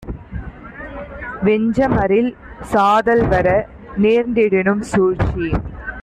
வெஞ்சமரில் சாதல்வர நேர்ந்திடினும் சூழ்ச்சி